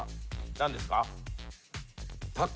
何ですか？